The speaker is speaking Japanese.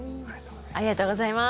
ありがとうございます。